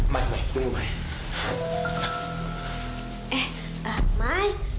mai mai tunggu mai